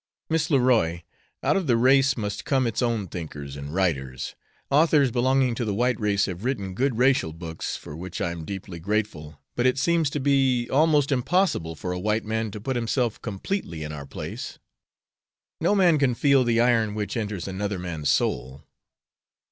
"Miss Leroy, out of the race must come its own thinkers and writers. Authors belonging to the white race have written good racial books, for which I am deeply grateful, but it seems to be almost impossible for a white man to put himself completely in our place. No man can feel the iron which enters another man's soul."